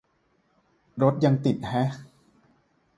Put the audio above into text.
รถยังติดแฮะ